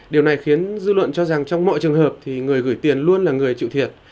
điều này khiến dư luận cho rằng trong mọi trường hợp thì người gửi tiền luôn là người chịu thiệt